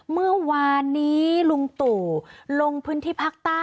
เมื่อวานนี้ลุงตู่ลงพื้นที่ภาคใต้